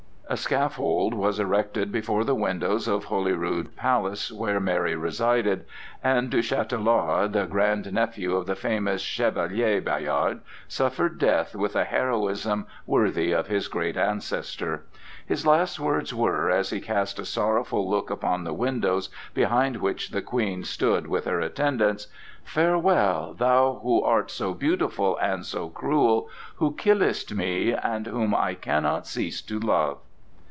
A scaffold was erected before the windows of Holyrood Palace, where Mary resided, and Du Chatelard, the grand nephew of the famous Chevalier Bayard, suffered death with a heroism worthy of his great ancestor. His last words were, as he cast a sorrowful look upon the windows behind which the Queen stood with her attendants: "Farewell, thou who art so beautiful and so cruel, who killest me, and whom I cannot cease to love!"